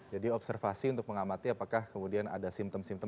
jadi observasi untuk mengamati apakah kemudian ada simptom simptom